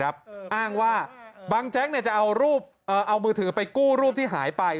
อ้างว่าบางแจ๊กจะเอามือถือไปกู้รูปที่หายไป